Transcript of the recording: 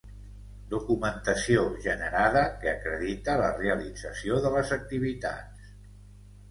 Documentació generada que acredita la realització de les activitats.